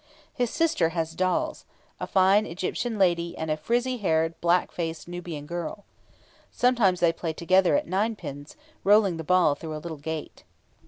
His sister has dolls: a fine Egyptian lady and a frizzy haired, black faced Nubian girl. Sometimes they play together at ninepins, rolling the ball through a little gate.